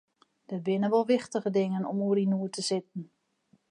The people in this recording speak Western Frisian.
Der binne wol wichtiger dingen om oer yn noed te sitten.